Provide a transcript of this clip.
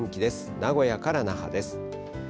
名古屋から那覇です。